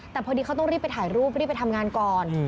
แต่พอดีเขาต้องรีบไปถ่ายรูปรีบไปทำงานก่อน